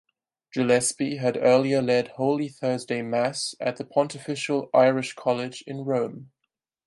Gillespie had earlier led Holy Thursday Mass at the Pontifical Irish College in Rome.